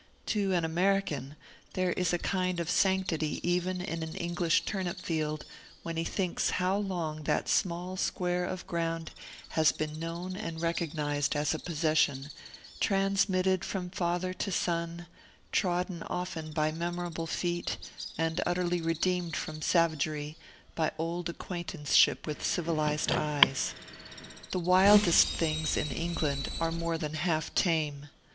To an American there is a kind of sanctity even in an English turnip field, when he thinks how long that small square of ground has been known and recognized as a possession, transmitted from father to son, trodden often by memorable feet, and utterly redeemed from savagery by old acquaintanceship with civilized eyes. The wildest things in England are more than half tame.